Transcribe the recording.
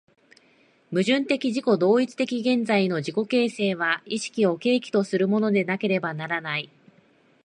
矛盾的自己同一的現在の自己形成は意識を契機とするものでなければならない。